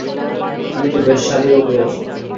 আমি তো বেশ সারিয়া উঠিয়াছি।